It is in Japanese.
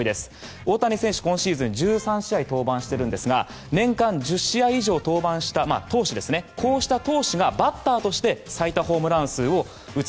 大谷選手、今シーズン１３試合登板してるんですが年間１０試合以上登板した投手がバッターとして最多ホームラン数を打つ。